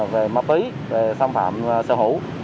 về mập ý về xâm phạm sở hữu